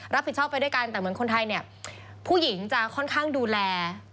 รับผิดชอบไปด้วยกันแต่เหมือนคนไทยเนี่ยผู้หญิงจะค่อนข้างดูแล